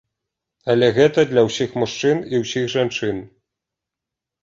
Але гэта для ўсіх мужчын і ўсіх жанчын.